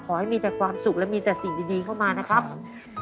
ขอให้มีแต่ความสุขและมีแต่สิ่งดีเข้ามานะครับ